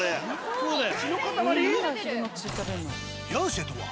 そうだよ。